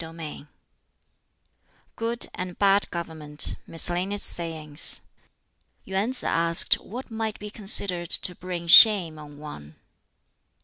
BOOK XIV Good and Bad Government Miscellaneous Sayings Yuen Sz asked what might be considered to bring shame on one.